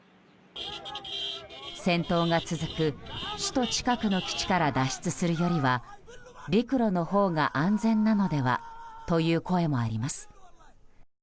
戦闘が続く首都近くの基地から脱出するよりは陸路のほうが安全なのではという声もあります。